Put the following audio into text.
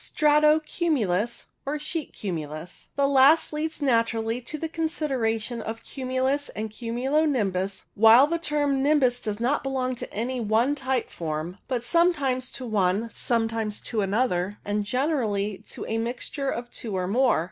Strato cumulus, or Sheet cumulus. The last leads naturally to the consideration of cumulus and cumulo nimbus, while theterm "nimbus" does not belong to any one type form, but some times to one, sometimes to another, and generally to a mixture of two or more.